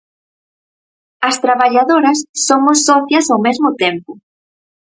As traballadoras somos socias ao mesmo tempo.